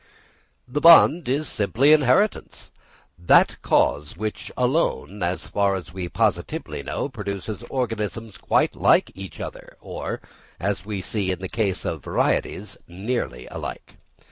The bond is simply inheritance, that cause which alone, as far as we positively know, produces organisms quite like each other, or, as we see in the case of varieties, nearly alike.